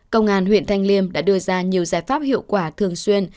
công an huyện thanh liêm đã đưa ra nhiều giải pháp hiệu quả thường xuyên